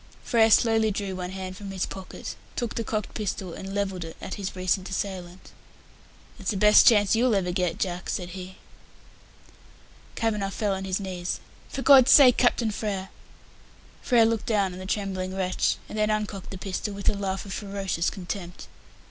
Frere slowly drew one hand from his pocket, took the cocked pistol and levelled it at his recent assailant. "That's the best chance you'll ever get, Jack," said he. Kavanagh fell on his knees. "For God's sake, Captain Frere!" Frere looked down on the trembling wretch, and then uncocked the pistol, with a laugh of ferocious contempt.